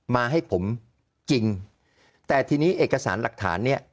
มาให้ผมจริงแต่ทีนี้เอกสารหลักฐานเนี่ย